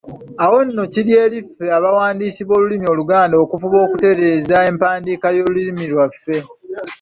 Awo nno kiri eri ffe abawandiisi b'olulimi Oluganda okufuba okutereeza empandiika y'olulimi lwaffe.